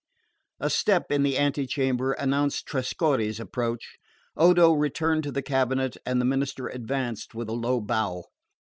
A step in the antechamber announced Trescorre's approach. Odo returned to the cabinet and the minister advanced with a low bow.